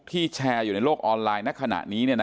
ที่แชร์อยู่ในโลกออนไลน์ณขณะนี้เนี่ยนะ